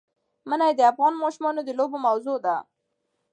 منی د افغان ماشومانو د لوبو موضوع ده.